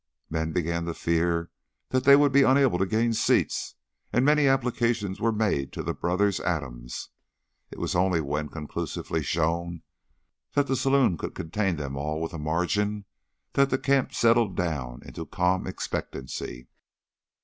Men began to fear that they would be unable to gain seats, and many applications were made to the brothers Adams. It was only when conclusively shown that the saloon could contain them all with a margin that the camp settled down into calm expectancy.